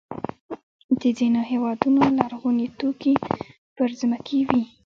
د ځینو هېوادونو لرغوني توکي پر ځمکې وي.